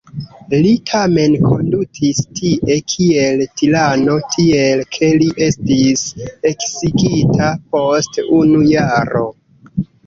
Li tamen kondutis tie kiel tirano, tiel ke li estis eksigita post unu jaro.